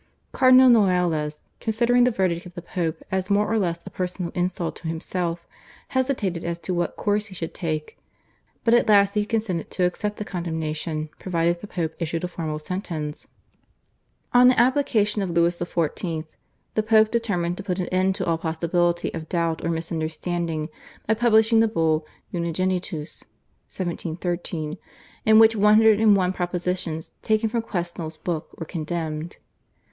Cardinal Noailles, considering the verdict of the Pope as more or less a personal insult to himself, hesitated as to what course he should take, but at last he consented to accept the condemnation provided the Pope issued a formal sentence. On the application of Louis XIV. the Pope determined to put an end to all possibility of doubt or misunderstanding by publishing the Bull, /Unigenitus/ (1713) in which 101 propositions taken from Quesnel's book were condemned.